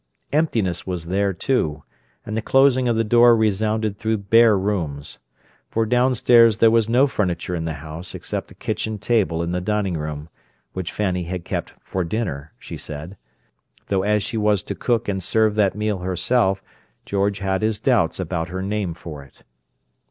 Emptiness was there, too, and the closing of the door resounded through bare rooms; for downstairs there was no furniture in the house except a kitchen table in the dining room, which Fanny had kept "for dinner," she said, though as she was to cook and serve that meal herself George had his doubts about her name for it.